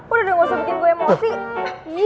udah udah nggak usah bikin gue emosi